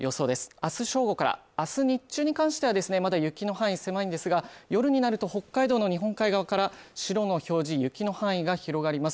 明日正午から明日日中に関してはまだ雪の範囲狭いんですが夜になると北海道の日本海側から白の表示雪の範囲が広がります。